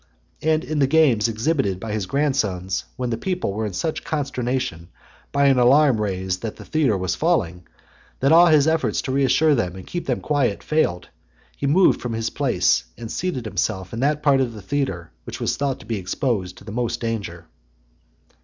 And in the games exhibited by his (107) grandsons, when the people were in such consternation, by an alarm raised that the theatre was falling, that all his efforts to re assure them and keep them quiet, failed, he moved from his place, and seated himself in that part of the theatre which was thought to be exposed to most danger.